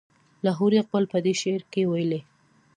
لاهوري اقبال په دې شعر کې ویلي.